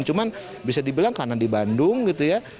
cuma bisa dibilang karena di bandung gitu ya